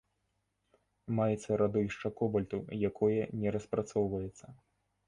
Маецца радовішча кобальту, якое не распрацоўваецца.